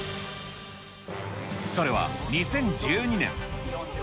それは２０１２年。